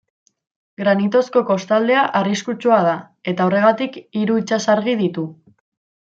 Granitozko kostaldea arriskutsua da eta horregatik hiru itsasargi ditu.